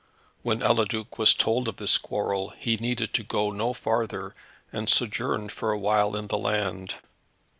When Eliduc was told of this quarrel, he needed to go no farther, and sojourned for awhile in the land.